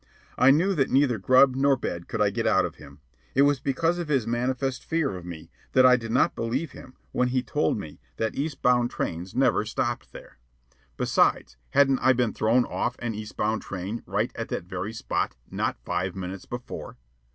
I knew that neither grub nor bed could I get out of him. It was because of his manifest fear of me that I did not believe him when he told me that east bound trains never stopped there. Besides, hadn't I been thrown off of an east bound train right at that very spot not five minutes before?